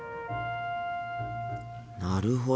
なるほど。